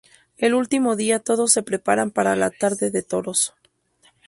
El último día todos se preparan para la tarde de toros.